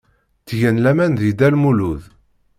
Ttgen laman deg Dda Lmulud.